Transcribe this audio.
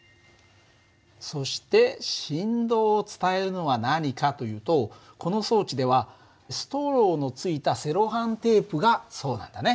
そして振動を伝えるのは何かというとこの装置ではストローのついたセロハンテープがそうなんだね。